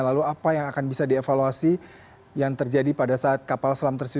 lalu apa yang akan bisa dievaluasi yang terjadi pada saat kapal selam tersebut